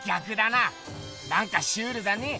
なんかシュールだね。